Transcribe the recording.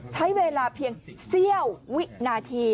ใช้เวลาเพียงเสี้ยววินาที